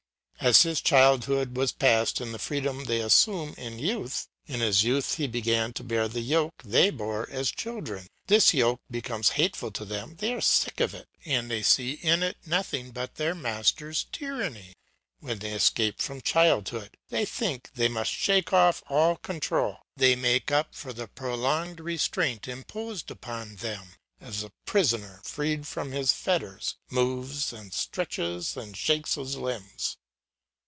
As his childhood was passed in the freedom they assume in youth, in his youth he begins to bear the yoke they bore as children; this yoke becomes hateful to them, they are sick of it, and they see in it nothing but their masters' tyranny; when they escape from childhood, they think they must shake off all control, they make up for the prolonged restraint imposed upon them, as a prisoner, freed from his fetters, moves and stretches and shakes his limbs.